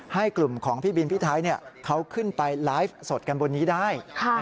ให้กลุ่มของพี่บินพี่ไทยเขาขึ้นไปไลฟ์สดกันบนนี้ได้